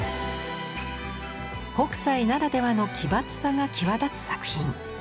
北斎ならではの奇抜さが際立つ作品。